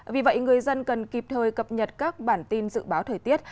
vì vậy người dân cần kịp thời cập nhật các bản tin dự báo thời tiết